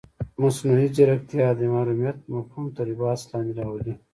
مصنوعي ځیرکتیا د محرمیت مفهوم تر بحث لاندې راولي.